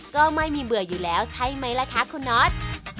ก็ไม่มีเบื่ออยู่แล้วใช่ไหมล่ะคะคุณน็อต